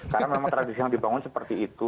karena memang tradisi yang dibangun seperti itu